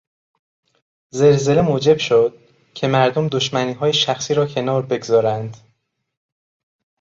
زلزله موجب شد که مردم دشمنیهای شخصی را کنار بگذارند.